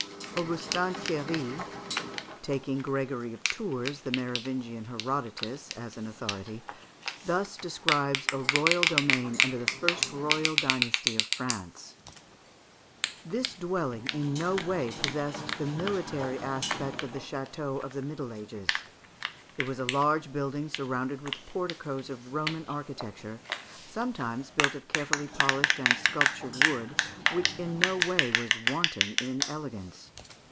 Augustin Thierry, taking Gregory of Tours, the Merovingian Herodotus, as an authority, thus describes a royal domain under the first royal dynasty of France: "This dwelling in no way possessed the military aspect of the château of the Middle Ages; it was a large building surrounded with porticos of Roman architecture, sometimes built of carefully polished and sculptured wood, which in no way was wanting in elegance.